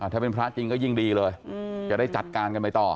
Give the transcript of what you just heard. ถ้าเป็นพระจริงก็ยิ่งดีเลยจะได้จัดการกันไปต่อ